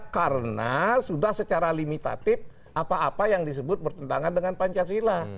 karena sudah secara limitatif apa apa yang disebut bertentangan dengan pancasila